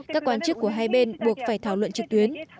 các quan chức của hai bên buộc phải thảo luận trực tuyến